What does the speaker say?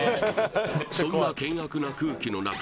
そんな険悪な空気の中